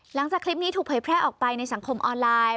หลังจากคลิปนี้ถูกเผยแพร่ออกไปในสังคมออนไลน์